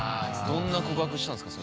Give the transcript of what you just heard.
どんな告白したんすか？